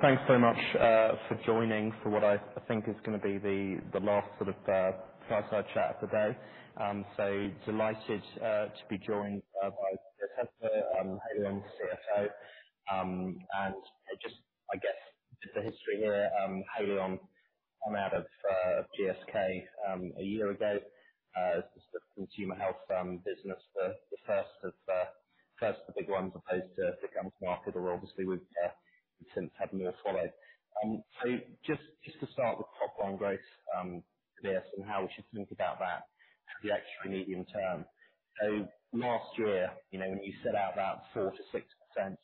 Thanks so much for joining for what I think is gonna be the last sort of fireside chat of the day. So delighted to be joined by Tobias Hestler, Haleon's CFO. And just, I guess, bit of history here. Haleon came out of GSK a year ago, the consumer health business, the first of the big ones opposed to the consumer market, where obviously we've since had more followed. So just to start with top line growth and how we should think about that for the actual medium term. So last year, you know, when you set out that 4%-6%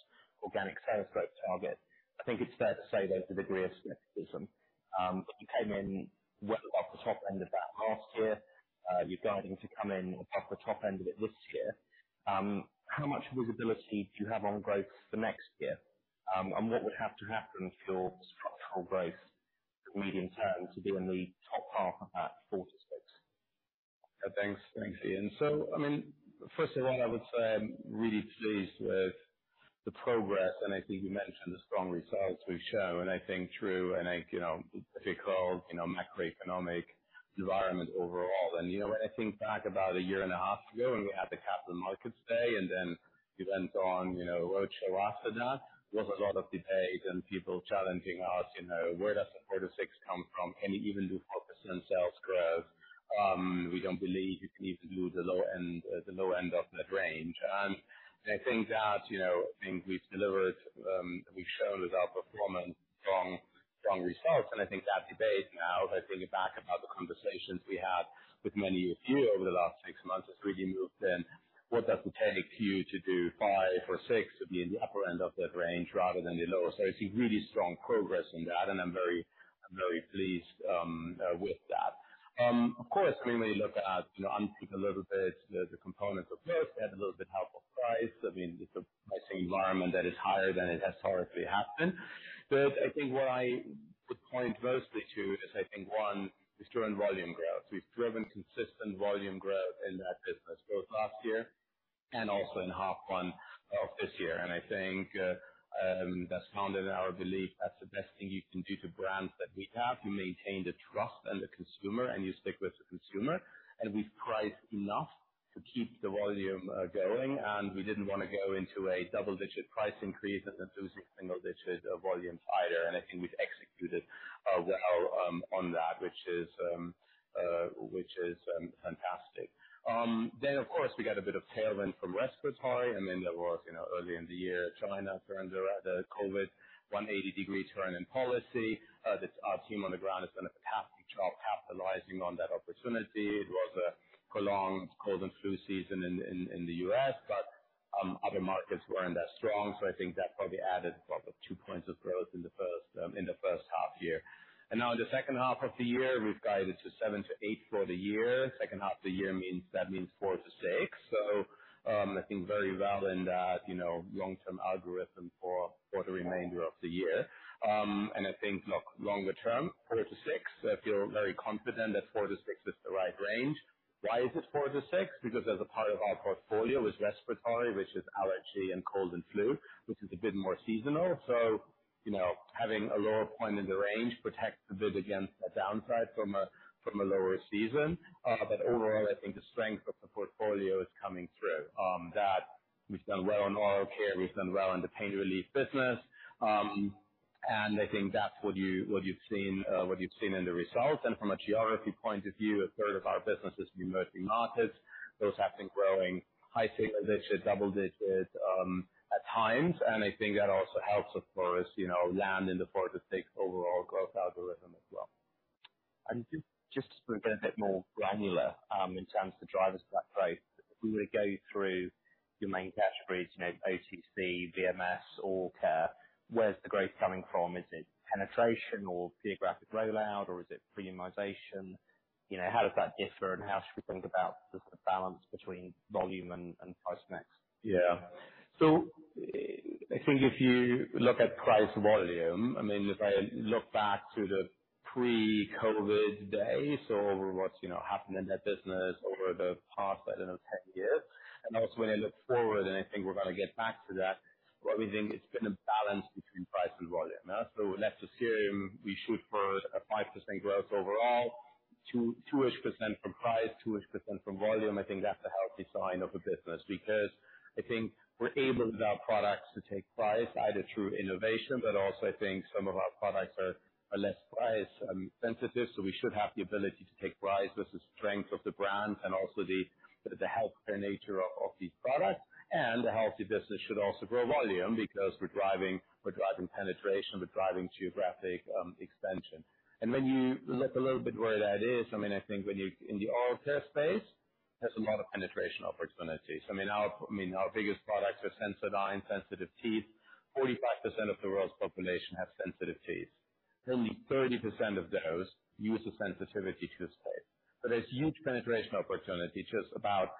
organic sales growth target, I think it's fair to say there was a degree of skepticism. But you came in well off the top end of that last year. You're guiding to come in off the top end of it this year. How much visibility do you have on growth for next year? And what would have to happen for structural growth medium term to be in the top half of that 4-6? Thanks. Thanks, Ian. So, I mean, first of all, I would say I'm really pleased with the progress, and I think you mentioned the strong results we've shown, and I think through you know difficult you know macroeconomic environment overall. And, you know, when I think back about a year and a half ago, when we had the Capital Markets Day, and then events on, you know, which were after that, there was a lot of debate and people challenging us, "You know, where does the 4-6 come from? Can you even do 4% sales growth? We don't believe you can do the low end, the low end of that range." And I think that, you know, I think we've delivered, we've shown with our performance, strong, strong results. I think that debate now, if I think back about the conversations we had with many of you over the last six months, has really moved in. What would it take you to do five or six to be in the upper end of that range rather than the lower? So I see really strong progress in that, and I'm very, I'm very pleased with that. Of course, when we look at, you know, unpick a little bit, the components of growth, we had a little bit help of price. I mean, it's a pricing environment that is higher than it has historically happened. But I think what I would point mostly to is, I think, one, is driven volume growth. We've driven consistent volume growth in that business, both last year and also in half one of this year. And I think that's founded in our belief that's the best thing you can do to brands that we have. You maintain the trust and the consumer, and you stick with the consumer, and we've priced enough to keep the volume going. And we didn't want to go into a double-digit price increase and then losing single digit of volume higher. And I think we've executed well on that, which is, which is fantastic. Then, of course, we got a bit of tailwind from respiratory, and then there was, you know, early in the year, China turned around the COVID 180-degree turn in policy. That our team on the ground has done a fantastic job capitalizing on that opportunity. It was a prolonged cold and flu season in the U.S., but other markets weren't that strong, so I think that probably added about 2 points of growth in the first half year. Now in the second half of the year, we've guided to 7-8 for the year. Second half of the year means... that means 4-6. So, I think very well in that, you know, long-term algorithm for the remainder of the year. And I think look longer term, 4-6, I feel very confident that 4-6 is the right range. Why is it 4-6? Because as a part of our portfolio, with respiratory, which is allergy and cold and flu, which is a bit more seasonal. So, you know, having a lower point in the range protects a bit against a downside from a, from a lower season. But overall, I think the strength of the portfolio is coming through. That we've done well on oral care, we've done well in the pain relief business. And I think that's what you, what you've seen, what you've seen in the results. And from a geography point of view, a third of our business is emerging markets. Those have been growing high single digit, double digit, at times, and I think that also helps us for, as you know, land in the 4-6 overall growth algorithm as well. Just to go a bit more granular in terms of the drivers of that growth. If we were to go through your main categories, you know, OTC, VMS, Oral Care, where's the growth coming from? Is it penetration or geographic rollout, or is it premiumization? You know, how does that differ, and how should we think about just the balance between volume and price mix? Yeah. So I think if you look at price volume, I mean, if I look back to the pre-COVID days or what's, you know, happened in that business over the past, I don't know, 10 years, and also when I look forward, and I think we're gonna get back to that, what we think it's been a balance between price and volume. So last year, we shoot for a 5% growth overall, 2-2-ish% from price, 2-ish% from volume. I think that's a healthy sign of a business, because I think we're able, with our products, to take price either through innovation, but also I think some of our products are less price sensitive, so we should have the ability to take price. This is strength of the brand and also the healthcare nature of the product. A healthy business should also grow volume, because we're driving, we're driving penetration, we're driving geographic expansion. When you look a little bit where that is, I mean, I think in the oral care space, there's a lot of penetration opportunities. I mean, our, I mean, our biggest products are Sensodyne sensitive teeth. 45% of the world's population have sensitive teeth. Only 30% of those use a sensitivity toothpaste. So there's huge penetration opportunity, just about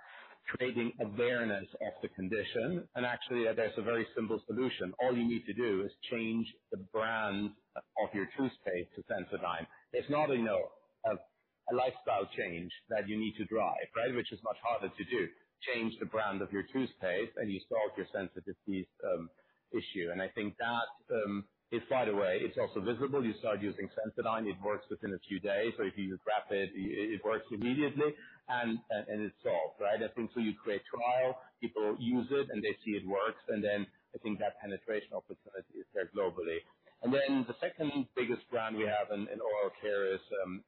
creating awareness of the condition. Actually, there's a very simple solution. All you need to do is change the brand of your toothpaste to Sensodyne. It's not, you know, a lifestyle change that you need to drive, right? Which is much harder to do. Change the brand of your toothpaste and you solve your sensitivity issue. I think that is right away. It's also visible. You start using Sensodyne, it works within a few days, so if you use Rapid, it works immediately, and it's solved, right? I think so you create trial, people use it, and they see it works, and then I think that penetration opportunity is there globally. The second biggest brand we have in oral care is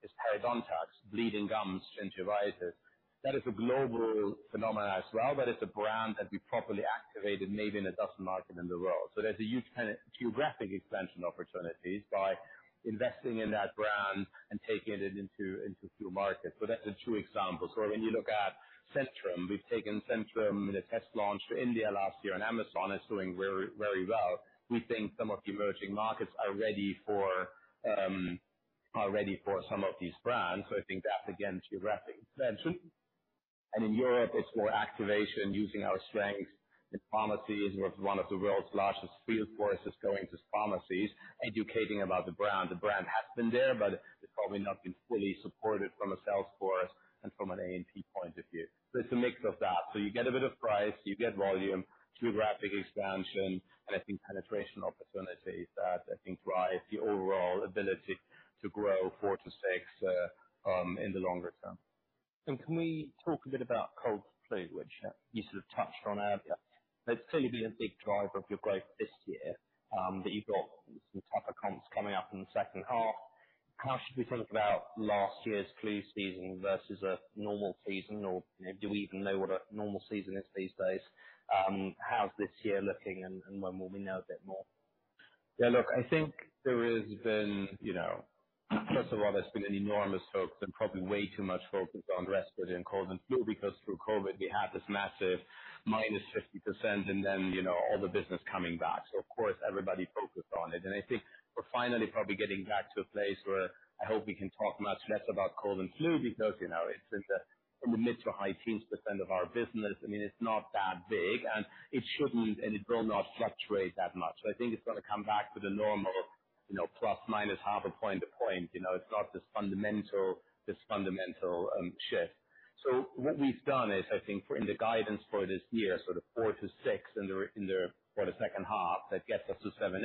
Parodontax. Bleeding gums, gingivitis. That is a global phenomenon as well, but it's a brand that we've properly activated, maybe in a dozen markets in the world. So there's a huge geographic expansion opportunity by investing in that brand and taking it into a few markets. So that's the two examples. So when you look at Centrum, we've taken Centrum in a test launch to India last year, and Amazon is doing very, very well. We think some of the emerging markets are ready for, are ready for some of these brands. So I think that, again, geographic expansion. And in Europe, it's more activation using our strength in pharmacies, with one of the world's largest field forces going to pharmacies, educating about the brand. The brand has been there, but it's probably not been fully supported from a sales force and from an A&P point of view. So it's a mix of that. So you get a bit of price, you get volume, geographic expansion, and I think penetration opportunities that I think drive the overall ability to grow 4-6 in the longer term. Can we talk a bit about cold and flu, which you sort of touched on earlier? It's clearly been a big driver of your growth this year, but you've got some tougher comps coming up in the second half. How should we think about last year's flu season versus a normal season, or, you know, do we even know what a normal season is these days? How's this year looking and when will we know a bit more? Yeah, look, I think there has been, you know, first of all, there's been an enormous focus and probably way too much focus on respiratory and cold and flu, because through COVID, we had this massive -50%, and then, you know, all the business coming back. So of course, everybody focused on it. And I think we're finally probably getting back to a place where I hope we can talk much less about cold and flu, because, you know, it's in the mid- to high-teens% of our business. I mean, it's not that big, and it shouldn't, and it will not fluctuate that much. So I think it's gonna come back to the normal, you know, ±0.5-1 point. You know, it's not this fundamental shift. So what we've done is, I think for—in the guidance for this year, sort of 4-6% in the, for the second half, that gets us to 7%.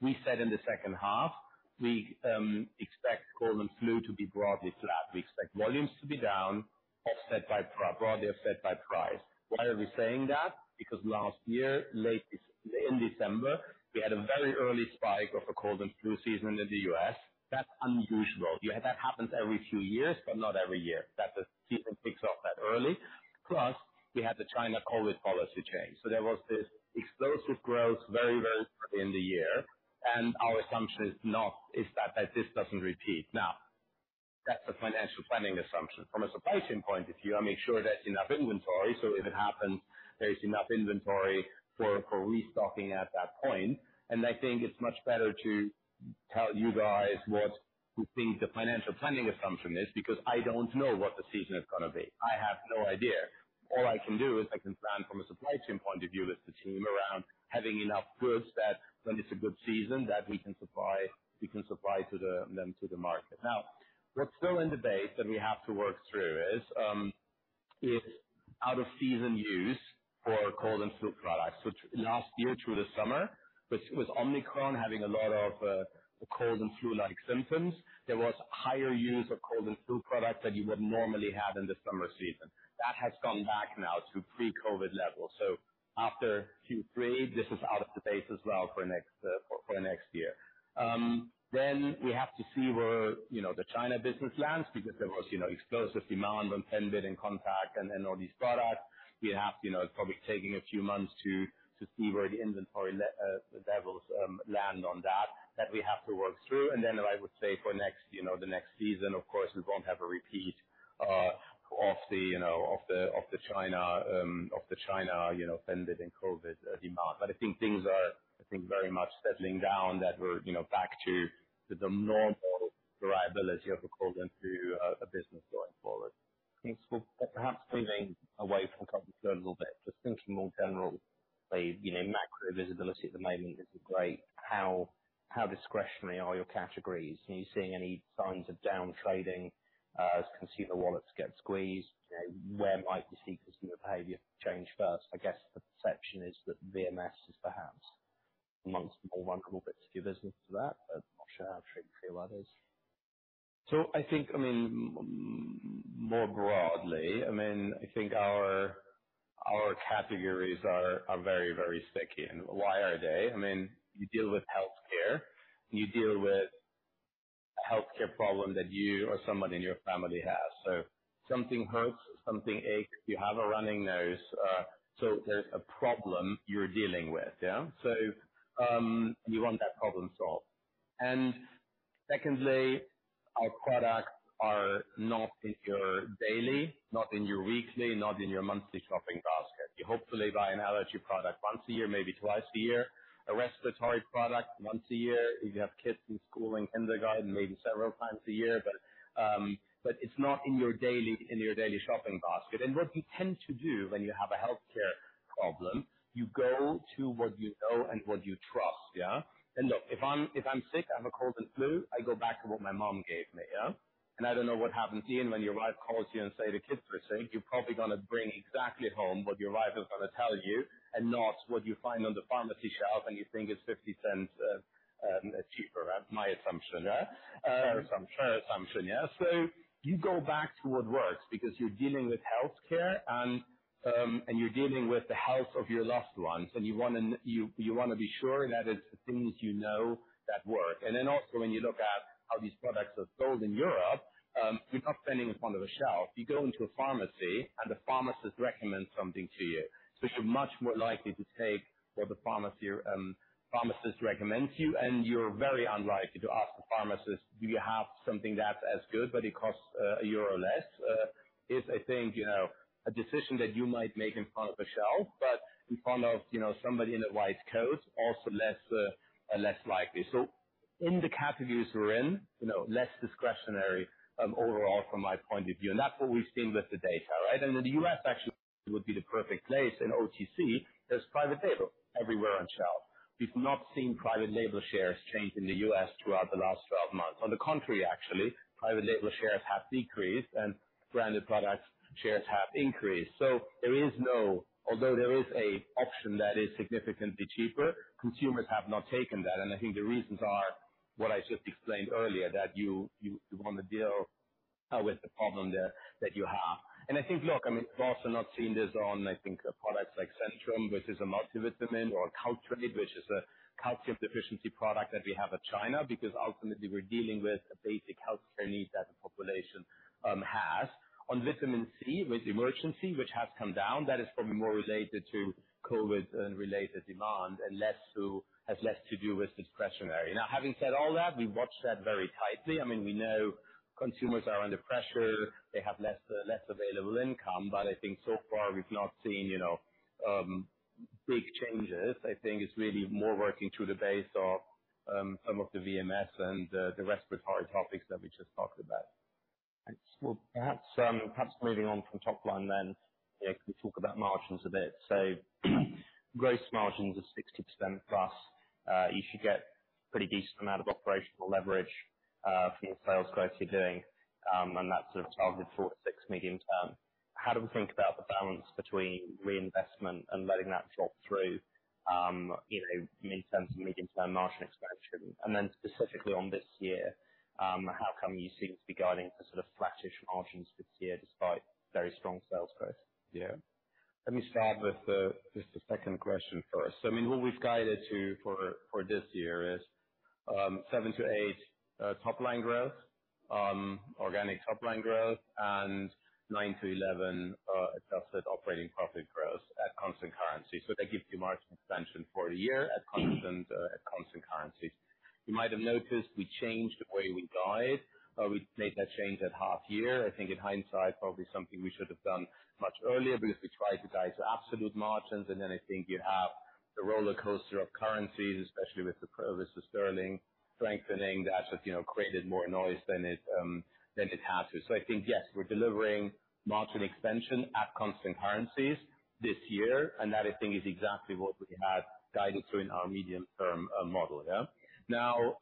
We said in the second half, we expect cold and flu to be broadly flat. We expect volumes to be down, offset by—broadly offset by price. Why are we saying that? Because last year, late in December, we had a very early spike of a cold and flu season in the U.S. That's unusual. That happens every few years, but not every year, that the season kicks off that early. Plus, we had the China COVID policy change. So there was this explosive growth very, very early in the year, and our assumption is that this doesn't repeat. Now, that's a financial planning assumption. From a supply chain point of view, I make sure there's enough inventory, so if it happens, there's enough inventory for restocking at that point. I think it's much better to tell you guys what we think the financial planning assumption is, because I don't know what the season is gonna be. I have no idea. All I can do is I can plan from a supply chain point of view with the team around, having enough goods that when it's a good season, that we can supply to the... then to the market. Now, what's still in debate, that we have to work through is out of season use for cold and flu products. Which last year through the summer, which with Omicron having a lot of, cold and flu-like symptoms, there was higher use of cold and flu products than you would normally have in the summer season. That has gone back now to pre-COVID levels. So after Q3, this is out of the base as well for next year. Then we have to see where, you know, the China business lands, because there was, you know, explosive demand on Theraflu and Contac and all these products. We have, you know, it's probably taking a few months to see where the inventory levels land on that. That we have to work through. And then I would say for next, you know, the next season, of course, we won't have a repeat of the China, you know, Theraflu and COVID demand. But I think things are, I think, very much settling down, that we're, you know, back to the normal variability of the cold and flu business going forward. Thanks. Well, perhaps moving away from cold and flu a little bit. Just thinking more general, you know, macro visibility at the moment isn't great. How discretionary are your categories? Are you seeing any signs of down trading as consumer wallets get squeezed? You know, where might you see consumer behavior change first? I guess, the perception is that VMS is perhaps amongst the more vulnerable bits of your business to that, but not sure how true that is. So I think, I mean, more broadly, I mean, I think our categories are very, very sticky. And why are they? I mean, you deal with healthcare, and you deal with a healthcare problem that you or someone in your family has. So something hurts, something aches, you have a running nose, so there's a problem you're dealing with, yeah? So, you want that problem solved. And secondly, our products are not in your daily, not in your weekly, not in your monthly shopping basket. You hopefully buy an allergy product once a year, maybe twice a year. A respiratory product, once a year. If you have kids in school, in kindergarten, maybe several times a year. But, but it's not in your daily, in your daily shopping basket. And what you tend to do when you have a healthcare problem, you go-... to what you know and what you trust, yeah? And look, if I'm sick, I have a cold and flu, I go back to what my mom gave me, yeah? And I don't know what happens to you when your wife calls you and say, "The kids are sick," you're probably gonna bring exactly home what your wife is gonna tell you, and not what you find on the pharmacy shelf, and you think it's $0.50 cheaper. My assumption, yeah? Fair assumption. Fair assumption, yeah. So you go back to what works, because you're dealing with healthcare and and you're dealing with the health of your loved ones, and you wanna you wanna be sure that it's the things you know that work. And then also, when you look at how these products are sold in Europe, you're not standing in front of a shelf. You go into a pharmacy, and the pharmacist recommends something to you. So you're much more likely to take what the pharmacy pharmacist recommends you, and you're very unlikely to ask the pharmacist: "Do you have something that's as good, but it costs EUR 1 less?" It's, I think, you know, a decision that you might make in front of a shelf, but in front of somebody in a white coat, also less likely. So in the categories we're in, you know, less discretionary overall from my point of view, and that's what we've seen with the data, right? And the US actually would be the perfect place. In OTC, there's private label everywhere on shelf. We've not seen private label shares change in the US throughout the last 12 months. On the contrary, actually, private label shares have decreased, and branded products shares have increased. So there is no... Although there is an option that is significantly cheaper, consumers have not taken that, and I think the reasons are what I just explained earlier, that you want to deal with the problem that you have. And I think, look, I mean, we've also not seen this on, I think, products like Centrum, which is a multivitamin, or Caltrate, which is a calcium deficiency product that we have in China, because ultimately we're dealing with a basic healthcare need that the population has. On vitamin C, with Emergen-C, which has come down, that is probably more related to COVID and related demand, and has less to do with discretionary. Now, having said all that, we watch that very tightly. I mean, we know consumers are under pressure. They have less, less available income, but I think so far, we've not seen, you know, big changes. I think it's really more working through the base of, some of the VMS and the respiratory topics that we just talked about. Thanks. Well, perhaps moving on from top line, then, yeah, can talk about margins a bit. So gross margins are 60% plus, you should get pretty decent amount of operational leverage, from the sales growth you're doing, and that's sort of 12-46 medium term. How do we think about the balance between reinvestment and letting that drop through, you know, mid-term to medium-term margin expansion? And then specifically on this year, how come you seem to be guiding for sort of flattish margins this year, despite very strong sales growth year? Let me start with the second question first. I mean, what we've guided to for this year is 7-8 top-line growth, organic top-line growth, and 9-11 adjusted operating profit growth at constant currency. So that gives you margin expansion for the year at constant currency. You might have noticed we changed the way we guide. We made that change at half year. I think in hindsight, probably something we should have done much earlier, because if we try to guide to absolute margins, and then I think you'd have the rollercoaster of currencies, especially with the sterling strengthening, that just you know created more noise than it has to. So I think, yes, we're delivering margin expansion at constant currencies this year, and that, I think, is exactly what we had guided to in our medium-term model, yeah? Now,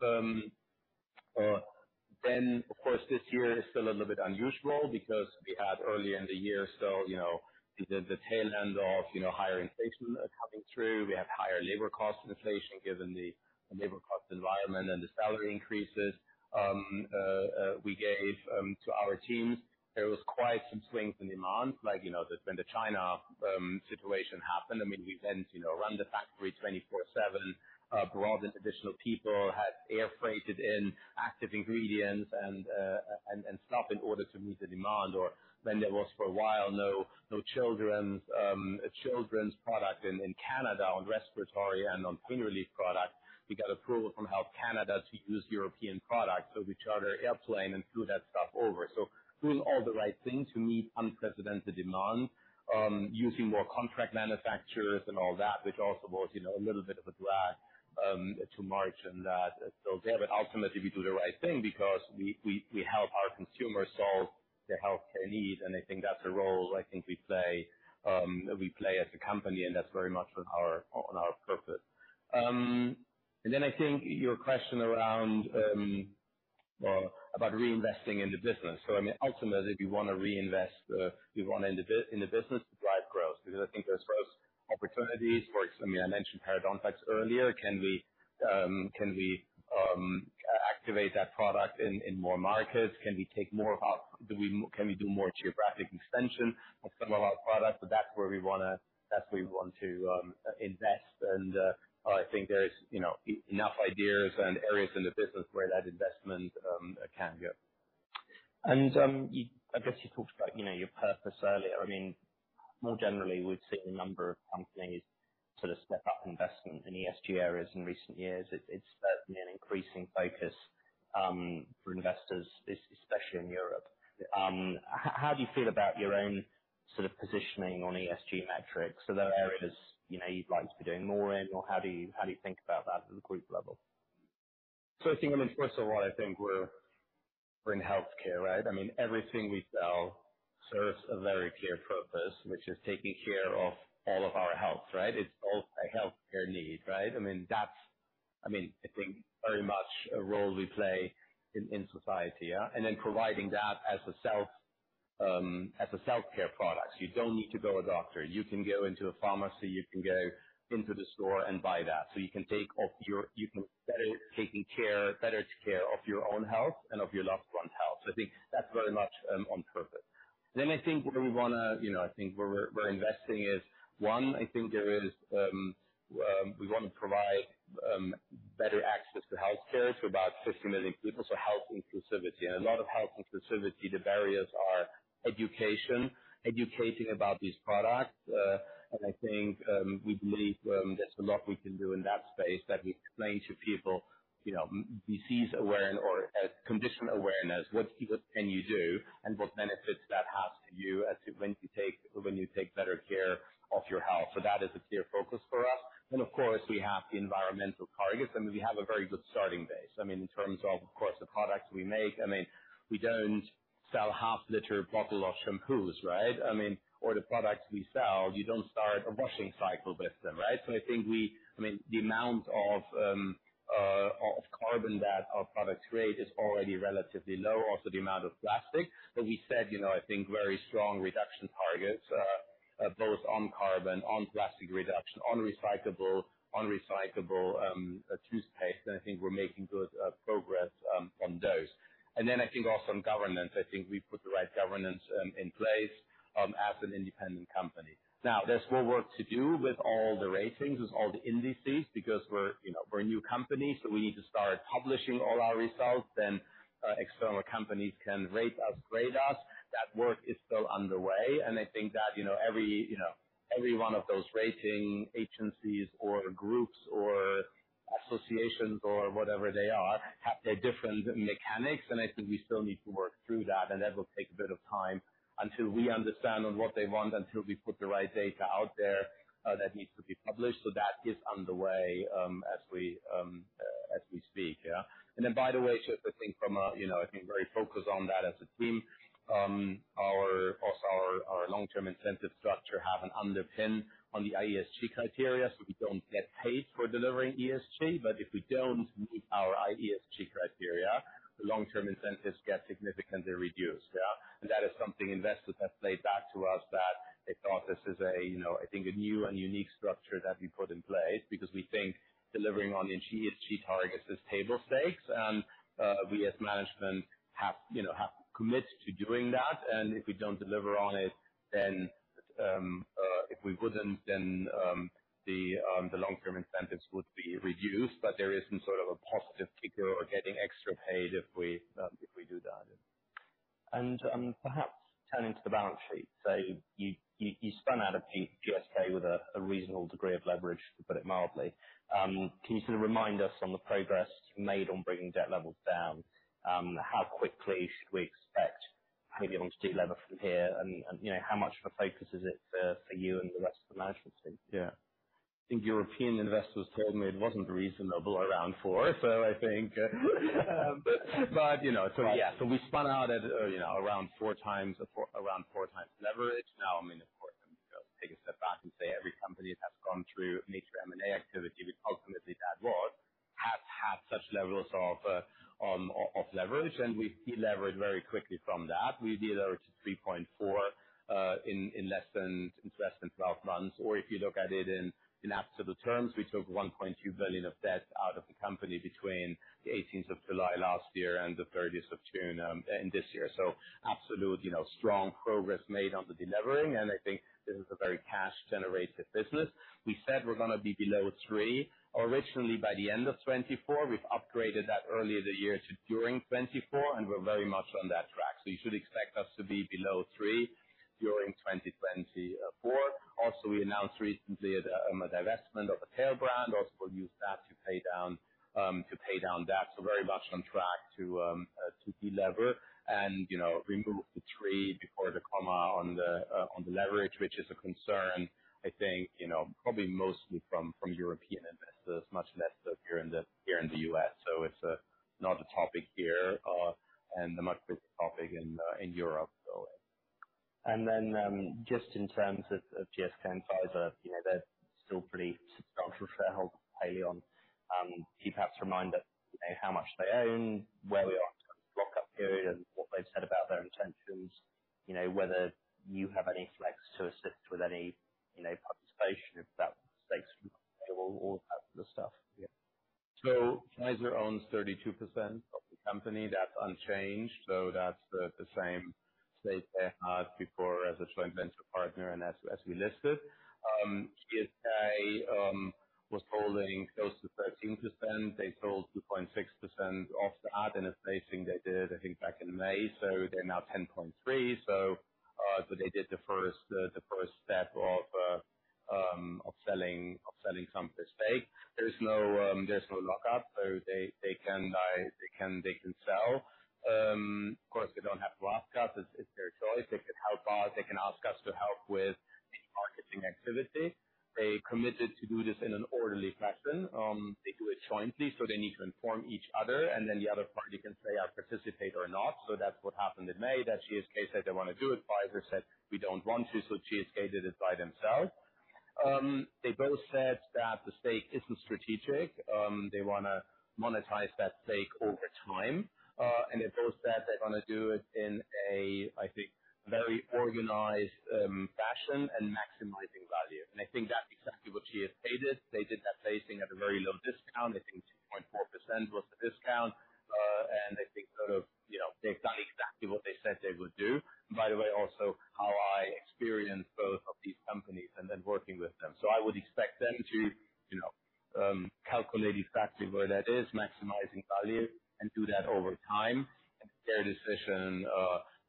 then, of course, this year is still a little bit unusual because we had earlier in the year, so, you know, the tail end of, you know, higher inflation coming through. We have higher labor cost inflation, given the labor cost environment and the salary increases we gave to our teams. There was quite some swings in demand, like, you know, when the China situation happened, I mean, we then, you know, run the factory 24/7, brought in additional people, had air freighted in active ingredients and stock in order to meet the demand. Or when there was for a while, no, no children's, a children's product in, in Canada on respiratory and on pain relief product, we got approval from Health Canada to use European products. So we chartered an airplane and flew that stuff over. So doing all the right things to meet unprecedented demand, using more contract manufacturers and all that, which also was, you know, a little bit of a drag, to margin that... So, yeah, but ultimately, we do the right thing because we, we, we help our consumers solve their healthcare needs, and I think that's a role I think we play, we play as a company, and that's very much on our, on our purpose. And then I think your question around, well, about reinvesting in the business. So, I mean, ultimately, we wanna reinvest, we want in the business to drive growth, because I think there's growth opportunities. For example, I mentioned parodontax earlier. Can we activate that product in more markets? Can we take more of our— Can we do more geographic expansion of some of our products? So that's where we wanna— that's where we want to invest, and I think there is, you know, enough ideas and areas in the business where that investment can go. You, I guess you talked about, you know, your purpose earlier. I mean, more generally, we've seen a number of companies sort of step up investment in ESG areas in recent years. It's certainly an increasing focus for investors, especially in Europe. How do you feel about your own sort of positioning on ESG metrics? Are there areas, you know, you'd like to be doing more in, or how do you, how do you think about that at the group level?... So I think, I mean, first of all, I think we're in healthcare, right? I mean, everything we sell serves a very clear purpose, which is taking care of all of our health, right? It's all a healthcare need, right? I mean, that's, I mean, I think very much a role we play in society, yeah. And then providing that as a self-care product. You don't need to go to a doctor. You can go into a pharmacy, you can go into the store and buy that. So you can take better care of your own health and of your loved one's health. So I think that's very much on purpose. Then I think where we wanna, you know, I think where we're investing is, one, I think there is, we wanna provide better access to healthcare to about 60 million people, so health inclusivity. And a lot of health inclusivity, the barriers are education, educating about these products. And I think, we believe, there's a lot we can do in that space, that we explain to people, you know, disease awareness or, condition awareness. What things can you do, and what benefits that has to you as to when to take, when you take better care of your health. So that is a clear focus for us. Then, of course, we have the environmental targets, and we have a very good starting base. I mean, in terms of, of course, the products we make, I mean, we don't sell half-liter bottle of shampoos, right? I mean, or the products we sell, you don't start a washing cycle with them, right? So I think I mean, the amount of carbon that our products create is already relatively low, also the amount of plastic. But we set, you know, I think, very strong reduction targets, both on carbon, on plastic reduction, on recyclable toothpaste. And I think we're making good progress on those. And then I think also on governance, I think we put the right governance in place as an independent company. Now, there's more work to do with all the ratings, with all the indices, because we're, you know, we're a new company, so we need to start publishing all our results, then external companies can rate us, grade us. That work is still underway, and I think that, you know, every, you know, every one of those rating agencies or groups or associations or whatever they are, have their different mechanics, and I think we still need to work through that, and that will take a bit of time until we understand on what they want, until we put the right data out there that needs to be published. So that is underway, as we speak, yeah. By the way, I think from a, you know, I think very focused on that as a team, also our long-term incentive structure have an underpin on the ESG criteria. So we don't get paid for delivering ESG, but if we don't meet our ESG criteria, the long-term incentives get significantly reduced, yeah. And that is something investors have played back to us, that they thought this is a, you know, I think, a new and unique structure that we put in place. Because we think delivering on the ESG targets is table stakes, and we as management have, you know, committed to doing that. And if we don't deliver on it, then if we wouldn't, the long-term incentives would be reduced, but there isn't sort of a positive ticker or getting extra paid if we do that. Perhaps turning to the balance sheet. So you spun out of GSK with a reasonable degree of leverage, to put it mildly. Can you sort of remind us on the progress made on bringing debt levels down? How quickly should we expect maybe you want to de-lever from here? And you know, how much of a focus is it for you and the rest of the management team? Yeah. I think European investors told me it wasn't reasonable around 4. So I think, but you know. So yeah, so we spun out at, you know, around 4 times, around 4 times leverage. Now, I mean, of course, take a step back and say every company that has gone through major M&A activity, which ultimately that was, has had such levels of leverage, and we de-levered very quickly from that. We de-levered to 3.4 in less than 12 months. Or if you look at it in absolute terms, we took 1.2 billion of debt out of the company between the 18th of July last year and the 30th of June in this year. So absolute, you know, strong progress made on the de-levering, and I think this is a very cash-generative business. We said we're gonna be below three, originally by the end of 2024. We've upgraded that earlier the year to during 2024, and we're very much on that track. So you should expect us to be below three during 2024. Also, we announced recently a divestment of a care brand. Also, we'll use that to pay down debt. So very much on track to de-lever and, you know, remove the three before the comma on the leverage, which is a concern, I think, you know, probably mostly from European investors, much less so here in the U.S. So it's not a topic here and a much bigger topic in Europe, so. And then, just in terms of, of GSK and Pfizer, you know, they're still pretty substantial shareholders, Haleon. Can you perhaps remind us how much they own, where we are in the lock-up period, and what they've said about their intentions? You know, whether you have any flex to assist with any, you know, participation, if that makes sense, all that stuff. Yeah. So Pfizer owns 32% of the company. That's unchanged. So that's the, the same stake they had before as a joint venture partner and as we, as we listed. GSK was holding close to 13%. They sold 2.6% of that in a placing they did, I think, back in May, so they're now 10.3%. So, so they did the first, the first step of, of selling, of selling some of the stake. There's no, there's no lockup, so they, they can buy, they can, they can sell. Of course, they don't have to ask us. It's, it's their choice. They can help us, they can ask us to help with-... activity. They committed to do this in an orderly fashion. They do it jointly, so they need to inform each other, and then the other party can say, "I participate or not." So that's what happened in May, that GSK said they wanna do it, Pfizer said, "We don't want to," so GSK did it by themselves. They both said that the stake isn't strategic. They wanna monetize that stake over time. And they both said they're gonna do it in a, I think, very organized, fashion and maximizing value. And I think that's exactly what GSK did. They did that placing at a very low discount. I think 2.4% was the discount. And I think sort of, you know, they've done exactly what they said they would do. By the way, also, how I experience both of these companies and then working with them. So I would expect them to, you know, calculate effectively where that is, maximizing value, and do that over time and their decision,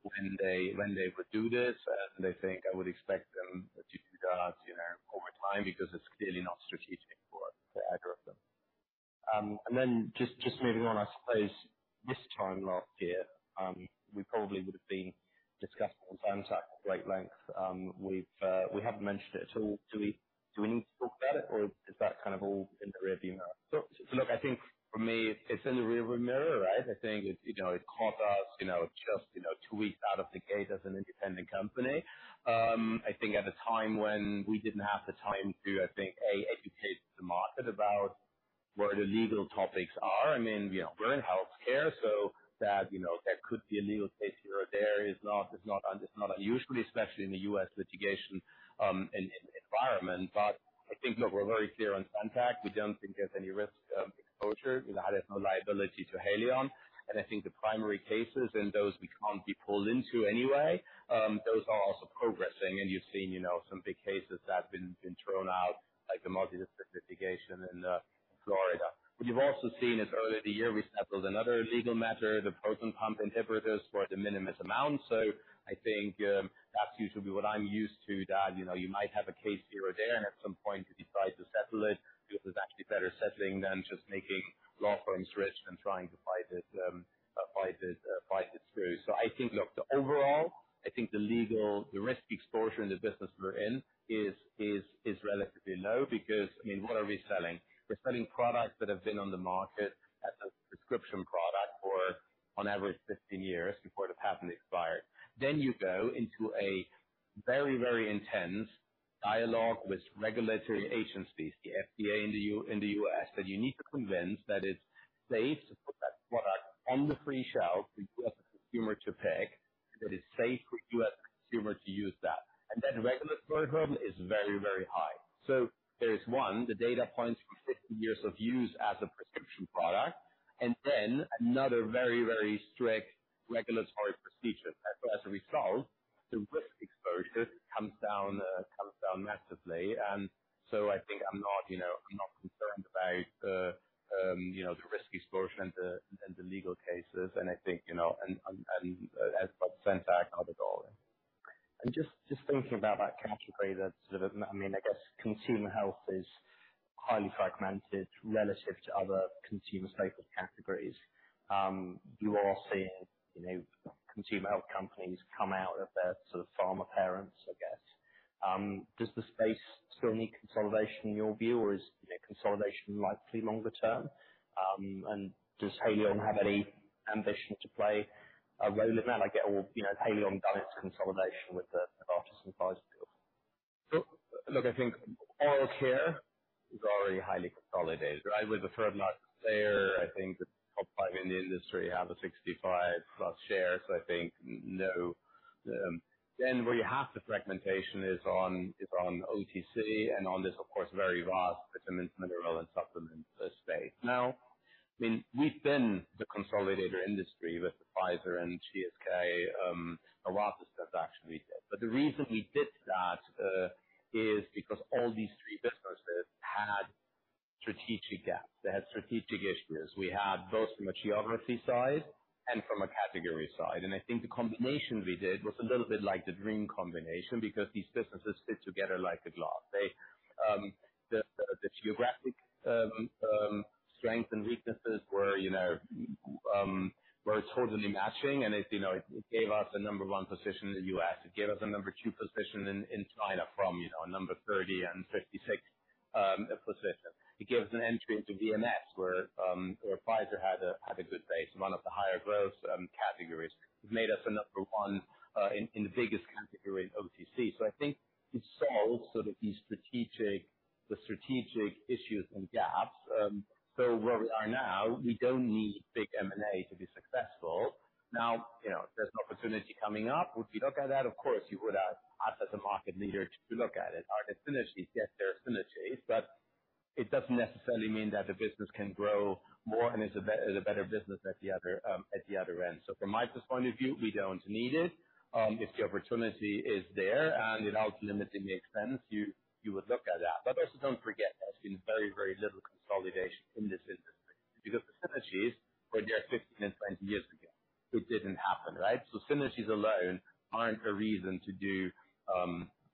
when they, when they would do this. And I think I would expect them to do that, you know, over time, because it's clearly not strategic for the either of them. And then just moving on, I suppose, this time last year, we probably would have been discussing Zantac at great length. We've... We haven't mentioned it at all. Do we, do we need to talk about it, or is that kind of all in the rearview mirror? So, look, I think for me it's in the rearview mirror, right? I think it, you know, it cost us, you know, just, you know, two weeks out of the gate as an independent company. I think at the time when we didn't have the time to, I think, A, educate the market about what the legal topics are. I mean, you know, we're in healthcare, so that, you know, there could be a legal case here or there is not, it's not unusual, especially in the U.S. litigation environment. But I think that we're very clear on Zantac. We don't think there's any risk of exposure. You know, there's no liability to Haleon, and I think the primary cases, and those we can't be pulled into anyway, those are also progressing. And you've seen, you know, some big cases that have been thrown out, like the multi-district litigation in Florida. But you've also seen this earlier in the year, we settled another legal matter, the proton pump inhibitors, for a de minimis amount. So I think that's usually what I'm used to, that, you know, you might have a case here or there, and at some point you decide to settle it, because it's actually better settling than just making law firms rich and trying to fight it through. So I think, look, the overall, I think the legal, the risk exposure in the business we're in is relatively low because, I mean, what are we selling? We're selling products that have been on the market as a prescription product for on average 15 years before the patent expired. Then you go into a very, very intense dialogue with regulatory agencies, the FDA in the U.S., that you need to convince that it's safe to put that product on the free shelf for U.S. consumer to pick, that it's safe for U.S. consumer to use that. And that regulatory problem is very, very high. So there is, one, the data points for 15 years of use as a prescription product, and then another very, very strict regulatory procedure. As a result, the risk exposure comes down, comes down massively. And so I think I'm not, you know, I'm not concerned about the, you know, the risk exposure and the, and the legal cases, and I think, you know, and, and, and as Zantac covered all. Just thinking about that category, that sort of, I mean, I guess consumer health is highly fragmented relative to other consumer-focused categories. You are seeing, you know, consumer health companies come out of their sort of pharma parents, I guess. Does the space still need consolidation in your view, or is, you know, consolidation likely longer term? And does Haleon have any ambition to play a role in that? I get all, you know, Haleon done its consolidation with the Allergan Pfizer deal. Look, look, I think all care is already highly consolidated, right? With the third largest player, I think the top five in the industry have 65-plus shares. So I think, no, then where you have the fragmentation is on, is on OTC and on this, of course, very vast vitamin, mineral and supplement space. Now, I mean, we've been the consolidator industry with Pfizer and GSK, Allergan transaction we did. But the reason we did that, is because all these three businesses had strategic gaps. They had strategic issues. We had both from a geography side and from a category side. And I think the combination we did was a little bit like the dream combination because these businesses fit together like a glove. The geographic strength and weaknesses were, you know, were totally matching and it, you know, it gave us a number 1 position in the U.S. It gave us a number 2 position in China from, you know, a number 30 and 56 position. It gives an entry into VMS, where Pfizer had a good base, one of the higher growth categories. It made us a number 1 in the biggest category in OTC. So I think it solves sort of the strategic issues and gaps. So where we are now, we don't need big M&A to be successful. Now, you know, there's an opportunity coming up. If you look at that, of course, you would ask as a market leader to look at it. Are there synergies? Yes, there are synergies, but it doesn't necessarily mean that the business can grow more and is—it's a better business at the other end. So from my perspective, we don't need it. If the opportunity is there and it out limits the expense, you would look at that. But also don't forget, there's been very, very little consolidation in this industry because the synergies were there 15 and 20 years ago. It didn't happen, right? So synergies alone aren't a reason to do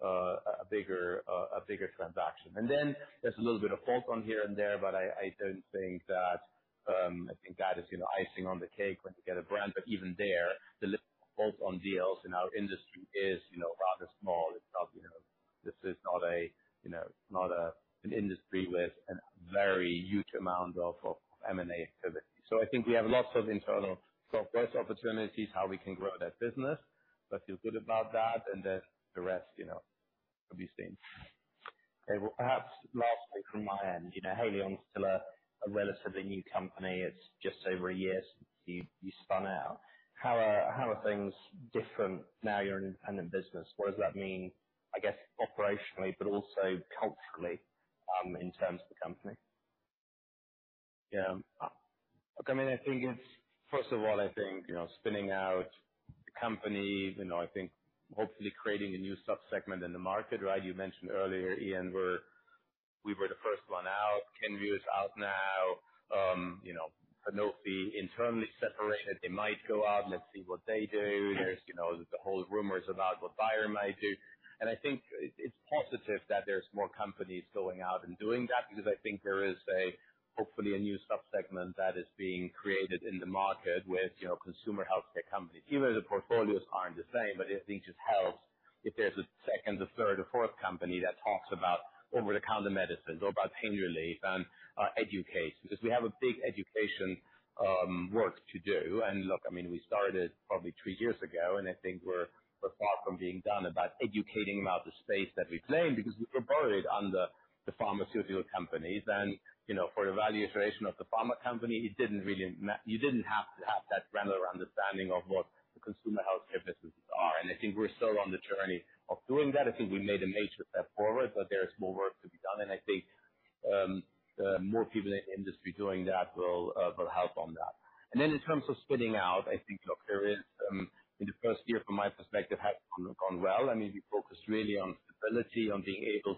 a bigger transaction. And then there's a little bit of bolt-on here and there, but I don't think that I think that is, you know, icing on the cake when you get a brand. But even there, the bolt-on deals in our industry is, you know, rather small. It's not, you know, this is not an industry with a very huge amount of M&A activity. So I think we have lots of internal software opportunities, how we can grow that business. I feel good about that, and then the rest, you know, will be seen. Okay. Well, perhaps lastly, from my end, you know, Haleon is still a relatively new company. It's just over a year since you spun out. How are things different now you're an independent business? What does that mean, I guess, operationally, but also culturally, in terms of the company? Yeah. Look, I mean, I think it's. First of all, I think, you know, spinning out the company, you know, I think hopefully creating a new sub-segment in the market, right? You mentioned earlier, Ian, we're, we were the first one out. Kenvue is out now. You know, Sanofi internally separated. They might go out and let's see what they do. There's, you know, the whole rumors about what Bayer might do. And I think it's positive that there's more companies going out and doing that because I think there is a, hopefully a new sub-segment that is being created in the market with, you know, consumer healthcare companies. Even though the portfolios aren't the same, but I think it helps if there's a second or third or fourth company that talks about over-the-counter medicines or about pain relief and, uh, education. Because we have a big education work to do. Look, I mean, we started probably three years ago, and I think we're far from being done about educating about the space that we play in, because we were buried under the pharmaceutical companies. You know, for the valuation of the pharma company, it didn't really matter, you didn't have to have that granular understanding of what the consumer healthcare businesses are. I think we're still on the journey of doing that. I think we made a major step forward, but there is more work to be done, and I think the more people in the industry doing that will help on that. Then in terms of spinning out, I think, look, there is. The first year, from my perspective, has gone well. I mean, we focused really on stability, on being able